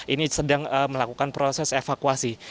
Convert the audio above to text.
ini sedang melakukan proses evakuasi